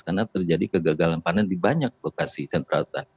karena terjadi kegagalan panen di banyak lokasi sentral